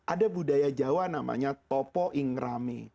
ada budaya jawa namanya topo ing rame